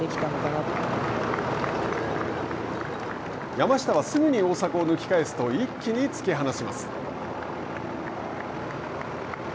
山下はすぐに大迫を抜き返すと一気に突き放します。